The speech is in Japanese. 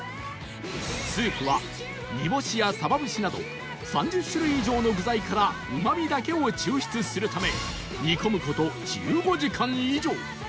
スープは煮干しやさば節など３０種類以上の具材からうまみだけを抽出するため煮込む事１５時間以上